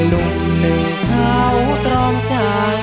ลุกหนึ่งเขาตรองใจชอบทำมหายา